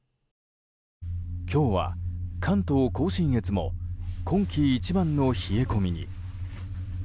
今日は関東・甲信越も今季一番の冷え込みに。